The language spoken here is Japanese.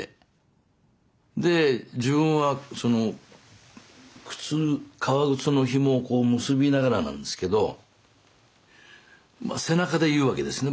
で自分は革靴のひもをこう結びながらなんですけど背中で言うわけですね